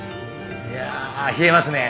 いや冷えますね。